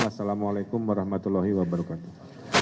wassalamu'alaikum warahmatullahi wabarakatuh